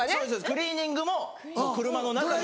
クリーニングも車の中から。